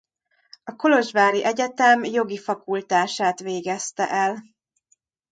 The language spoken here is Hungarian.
A kolozsvári egyetem jogi fakultását végezte el.